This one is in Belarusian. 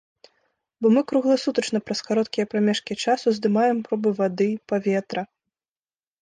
Бо мы кругласутачна праз кароткія прамежкі часу здымаем пробы вады, паветра.